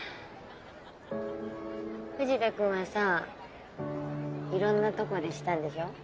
藤田君はさいろんなとこでしたんでしょ？